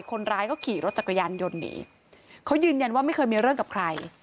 คนร้ายก็ขี่รถจักรยานยนต์หนีเขายืนยันว่าไม่เคยมีเรื่องกับใคร